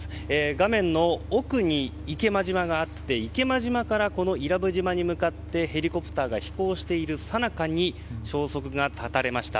画面の奥に池間島があって池間島から伊良部島に向かってヘリコプターが飛行しているさなかに消息が絶たれました。